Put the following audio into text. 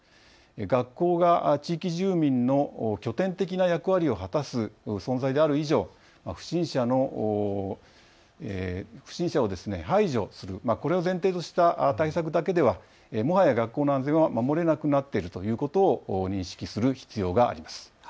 学校が地域住民の拠点的な役割を果たす存在である以上、不審者を排除するこれを前提とした対策だけではもはや学校の安全は守れなくなっているということを認識する必要があります。